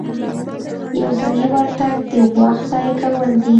یو ځایي ورتګ د وخت ضایع کول دي.